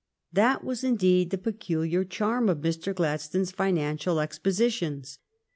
That was, indeed, the peculiar charm of Mr. Gladstone's financial expositions.